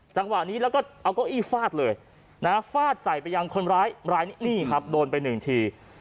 จังหวะนี้แล้วก็เอาเก้าอี้ฟาดเลยนะฮะฟาดใส่ไปยังคนร้ายรายนี้นี่ครับโดนไปหนึ่งที